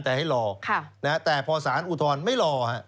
แต่ให้รอแต่พอสารอุทธรณ์ไม่รอ